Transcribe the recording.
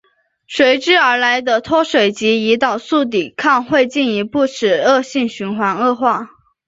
随之而来的脱水及胰岛素抵抗会进一步使恶性循环恶化。